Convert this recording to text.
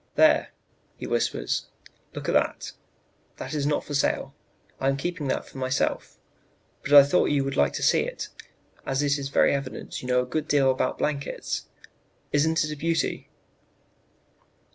"'There,' he whispers; 'look at that; that is not for sale. I am keeping that for myself, but I thought you would like to see it, as it is very evident you know a good deal about blankets; isn't it a beauty?'